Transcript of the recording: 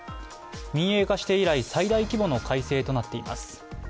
民営化して以来、最大規模の改正となっています。